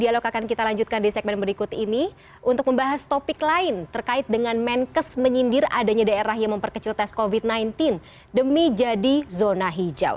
dialog akan kita lanjutkan di segmen berikut ini untuk membahas topik lain terkait dengan menkes menyindir adanya daerah yang memperkecil tes covid sembilan belas demi jadi zona hijau